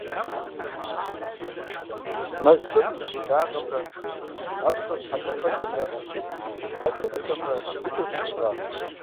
Мэз псом и узыншагъэмрэ абы щӏэс хьэкӏэкхъуэкӏэхэмрэ къэкӏыгъэхэмрэ быдэу зэпыщӀащ.